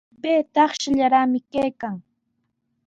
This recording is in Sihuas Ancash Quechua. Pay takshallaraqmi kaykan.